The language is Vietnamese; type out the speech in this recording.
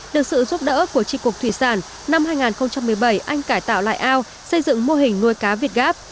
được sự giúp đỡ của tri cục thủy sản năm hai nghìn một mươi bảy anh cải tạo lại ao xây dựng mô hình nuôi cá việt gáp